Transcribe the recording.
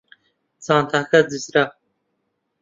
جانتاکە دزرا.